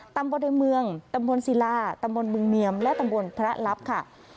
ตำบลในเมืองตำบลศิลาตำบลเมืองเนียมและตำบลพระลับค่ะ